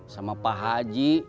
sama pak haji